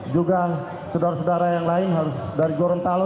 juga saudara saudara yang lain harus dari gorontalo